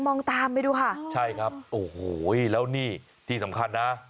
มองตามไปดูค่ะใช่ครับโอ้โหแล้วนี่ที่สำคัญนะ